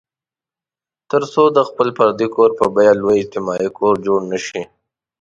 تر څو د خپل فردي کور په بیه لوی اجتماعي کور جوړ نه شي.